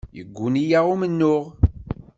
Yegguni-aɣ umennuɣ.